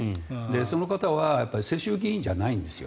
その方は世襲議員じゃないんですよ。